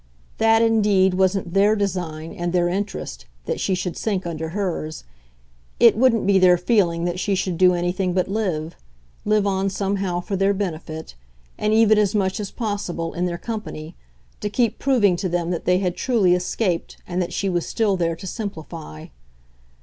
That indeed wasn't THEIR design and their interest, that she should sink under hers; it wouldn't be their feeling that she should do anything but live, live on somehow for their benefit, and even as much as possible in their company, to keep proving to them that they had truly escaped and that she was still there to simplify.